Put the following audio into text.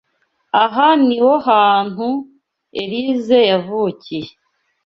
Aha niho hantu Elyse yavukiye.